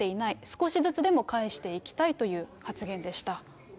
少しずつでも返していきたいという発言でした。